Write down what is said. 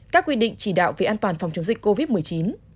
các quy định chỉ đạo về an toàn phòng chống dịch covid một mươi chín